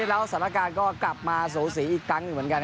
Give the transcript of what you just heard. แล้วสรรคาก็กลับมาโสศรีอีกทั้งหนึ่งเหมือนกันครับ